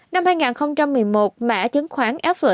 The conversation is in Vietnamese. năm hai nghìn một mươi một mã chứng khoán fp